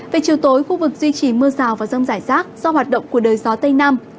về chiều tối khu vực duy trì mưa rào và rông rải rác do hoạt động của đời gió tây nam